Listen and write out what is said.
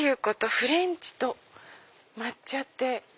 フレンチと抹茶って。